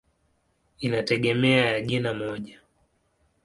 Inategemea ya jina moja.